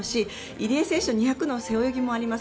入江選手の２００の背泳ぎもあります。